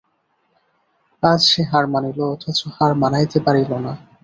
আজ সে হার মানিল, অথচ হার মানাইতে পারিল না।